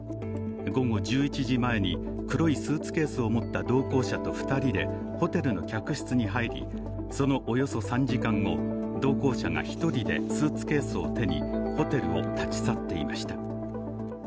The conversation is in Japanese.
午後１１時前に黒いスーツケースを持った同行者と２人でホテルの客室に入り、そのおよそ３時間後、同行者が１人でスーツケースを手にホテルを立ち去っていました。